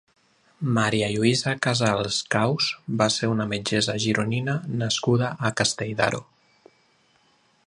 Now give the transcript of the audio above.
Maria Lluïsa Casals Caus va ser una metgessa gironina nascuda a Castell d'Aro.